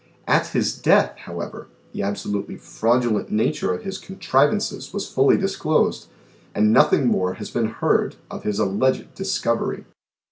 At his death, however, the absolutely fraudulent nature of his contri vances was fully disclosed, and nothing more has been 70 THE SEVEN FOLLIES OF SCIENCE heard of his alleged discovery.